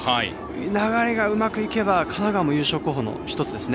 流れがうまくいけば神奈川も優勝候補の１つですね。